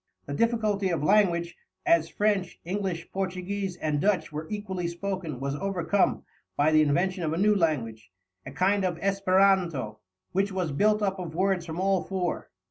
The difficulty of language, as French, English, Portuguese, and Dutch were equally spoken, was overcome by the invention of a new language, a kind of Esperanto, which was built up of words from all four.